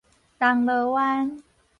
銅鑼灣